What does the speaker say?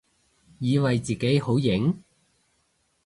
以為自己好型？